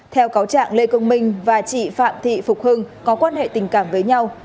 theo cáo trạng lê công minh và chị phạm thị phục hưng có quan hệ tình cảm với nhau